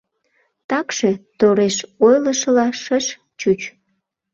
Такше тореш ойлышыла шыш чуч.